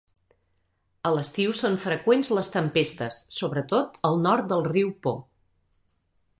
A l'estiu són freqüents les tempestes, sobretot al nord del riu Po.